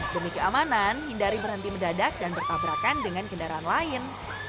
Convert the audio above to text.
demi keamanan hindari berhenti mendadak dan bertabrakan dengan kendaraan lain